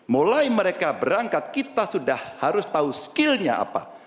mulai mereka berangkat kita sudah harus tahu skillnya apa